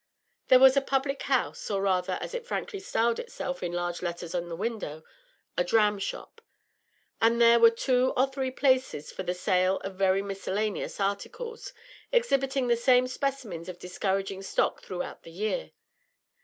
There was a public house, or rather, as it frankly styled itself in large letters on the window, a dram shop; and there were two or three places for the sale of very miscellaneous articles, exhibiting the same specimens of discouraging stock throughout the year.